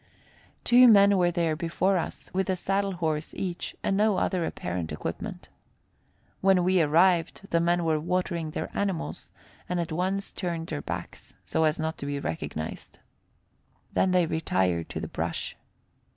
Two men were there before us, with a saddle horse each, and no other apparent equipment. When we arrived, the men were watering their animals, and at once turned their backs, so as not to be recognized. Then they retired to the brush.